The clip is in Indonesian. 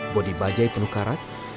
bodi bajai penuh karat